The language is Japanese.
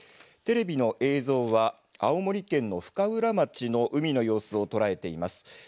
テレビの映像は青森県の深浦町の海の様子を捉えています。